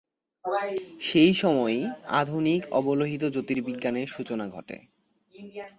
সেই সময়ই আধুনিক অবলোহিত জ্যোতির্বিজ্ঞানের সূচনা ঘটে।